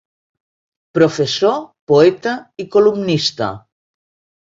Professor, poeta i columnista.